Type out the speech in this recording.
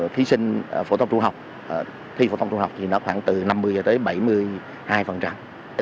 thí sinh phổ thông trung học thi phổ thông trung học thì nó khoảng từ năm mươi cho tới bảy mươi hai